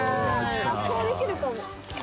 こうできるかも。